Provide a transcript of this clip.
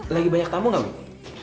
lagi banyak tamu gak wih